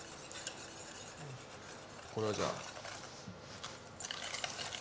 これはじゃあ。